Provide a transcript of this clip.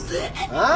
ああ？